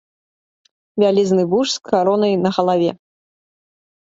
Вялізны вуж з каронай на галаве.